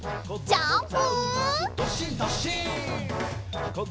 ジャンプ！